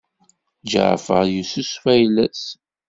Ǧaɛfeṛ yessusef ayla-s.